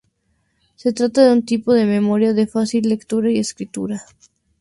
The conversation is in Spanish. Se trata de un tipo de memoria de fácil lectura y escritura.